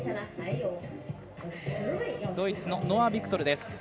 ドイツのノア・ビクトルです。